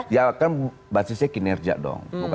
ya kan basisnya kinerja dong